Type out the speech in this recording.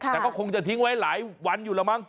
แต่ก็คงจะทิ้งไว้หลายวันอยู่แล้วมั้ง